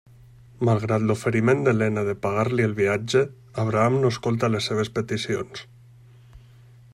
Malgrat l'oferiment d'Helena de pagar-li el viatge, Abraham no escolta les seves peticions.